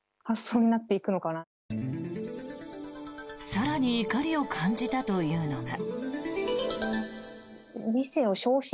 更に怒りを感じたというのが。